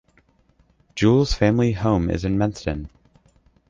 Jewell's family home is in Menston.